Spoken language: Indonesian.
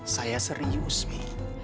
saya serius mi